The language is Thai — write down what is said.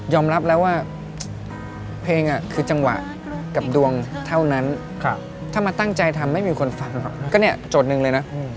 รับแล้วว่าเพลงคือจังหวะกับดวงเท่านั้นถ้ามาตั้งใจทำไม่มีคนฟังหรอกก็เนี่ยโจทย์หนึ่งเลยนะ